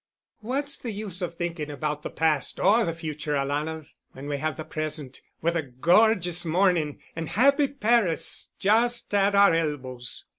"What's the use of thinking about the past or the future, alanah, when we have the present—with a gorgeous morning and happy Paris just at our elbows.